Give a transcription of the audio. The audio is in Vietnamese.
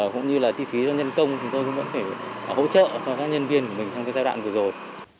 cũng như là chi phí cho nhân công chúng tôi cũng vẫn phải hỗ trợ cho các nhân viên của mình trong giai đoạn vừa rồi